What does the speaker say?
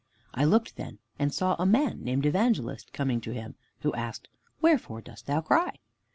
I looked then, and saw a man, named Evangelist, coming to him, who asked, "Wherefore dost thou cry?"